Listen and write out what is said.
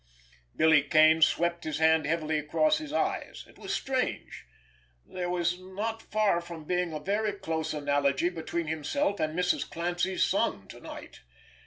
Billy Kane swept his hand heavily across his eyes. It was strange! There was not far from being a very close analogy between himself and Mrs. Clancy's son to night.